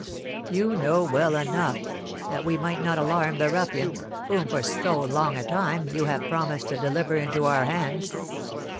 "You know well enough, that we might not alarm the ruffians, whom, for so long a time, you have promised to deliver into our hands."